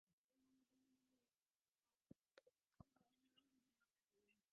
ސާނިހަކީ މަހާ އަށް ވުރެ އެއް އަހަރު ދޮށީ ކުއްޖެއް